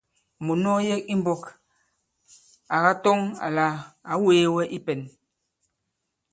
Mùt nu ɔ yek i mbɔ̄k à katɔŋ àlà ǎ wēe wɛ i pɛ̄n.